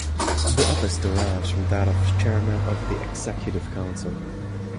The office derives from that of Chairman of the Executive Council.